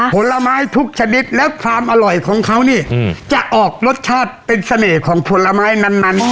ผลไม้ทุกชนิดแล้วความอร่อยของเขานี่จะออกรสชาติเป็นเสน่ห์ของผลไม้นั้น